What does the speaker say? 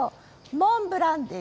モンブランです。